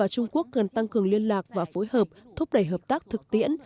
trung quốc cần tăng cường liên lạc và phối hợp thúc đẩy hợp tác thực tiễn